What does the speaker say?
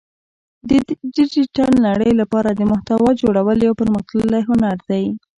د ډیجیټل نړۍ لپاره د محتوا جوړول یو پرمختللی هنر دی